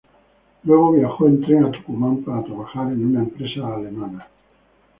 Luego viajó en tren a Tucumán para trabajar en una empresa alemana.